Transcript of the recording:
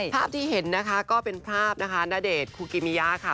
ภาพที่เห็นนะคะก็เป็นภาพนะคะณเดชน์คูกิมิยาค่ะ